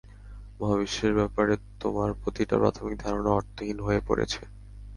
মহাবিশ্বের ব্যাপারে তোমার প্রতিটা প্রাথমিক ধারণা অর্থহীন হয়ে পড়েছে।